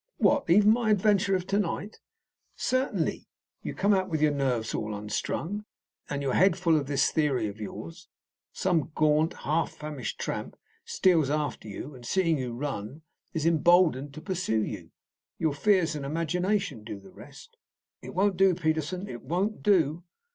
"What! even my adventure of to night?" "Certainly. You come out with your nerves all unstrung, and your head full of this theory of yours. Some gaunt, half famished tramp steals after you, and seeing you run, is emboldened to pursue you. Your fears and imagination do the rest." "It won't do, Peterson; it won't do."